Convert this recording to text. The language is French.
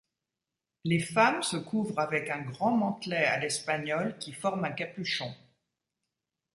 Les femmes se couvrent avec un grand mantelet à l'espagnole qui forme un capuchon.